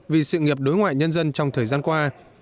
vì sự nghiệp đối ngoại nhân dân trong thời gian qua